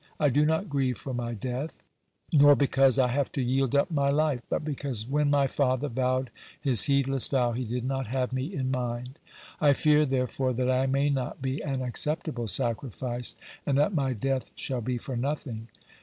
I do not grieve for my death, nor because I have to yield up my life, but because when my father vowed his heedless vow, he did not have me in mind. I fear, therefore, that I may not be an acceptable sacrifice, and that my death shall be for nothing."